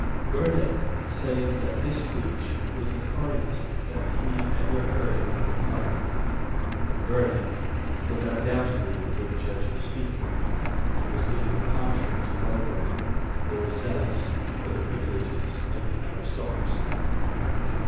Burnet says that this speech was the finest that he ever heard in Parliament; and Burnet was undoubtedly a good judge of speaking, and was neither partial to Mulgrave nor zealous for the privileges of the aristocracy.